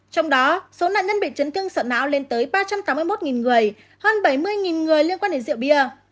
trong đó số nạn nhân bị chấn thương sọ não lên tới ba trăm tám mươi một người hơn bảy mươi người liên quan đến rượu bia